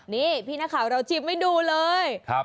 นี่พี่นักข่าวเราจิบให้ดูเลย